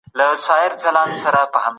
د مقبرې معمارۍ کي کوم هنر کارول سوی دی؟